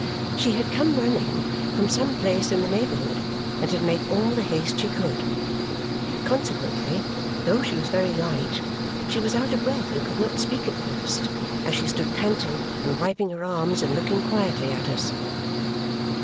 She had come running from some place in the neighbourhood and had made all the haste she could. Consequently, though she was very light, she was out of breath and could not speak at first, as she stood panting, and wiping her arms, and looking quietly at us.